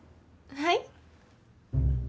はい？